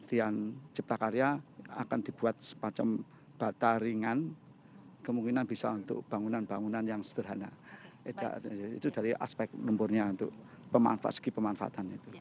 kemudian cipta karya akan dibuat sepacem bata ringan kemungkinan bisa untuk bangunan bangunan yang sederhana itu dari aspek lemburnya untuk pemanfaat segi pemanfaatan itu